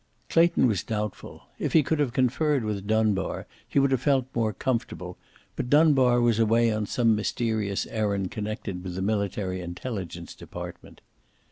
Clayton was doubtful. If he could have conferred with Dunbar he would have felt more comfortable, but Dunbar was away on some mysterious errand connected with the Military Intelligence Department.